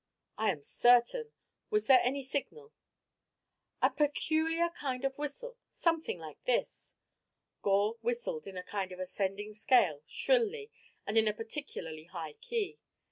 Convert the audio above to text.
"I am certain. Was there any signal?" "A peculiar kind of whistle. Something like this!" Gore whistled in a kind of ascending scale shrilly and in a particularly high key.